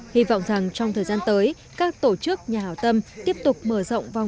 hy vọng rằng trong thời gian tới các tổ chức nhà hảo tâm tiếp tục mở rộng vòng